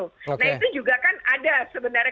nah itu juga kan ada sebenarnya